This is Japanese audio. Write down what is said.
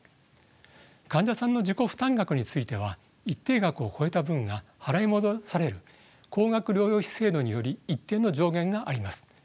患者さんの自己負担額については一定額を超えた分が払い戻される高額療養費制度により一定の上限があります。